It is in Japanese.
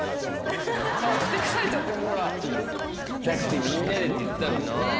だってみんなでって言ってたのにな。